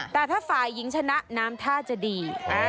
แต่ถ้าฝ่ายหญิงชนะน้ำท่าจะดี